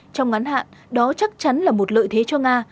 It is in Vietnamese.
trong ngắn hạn đó chắc chắn là một lợi thế cho nga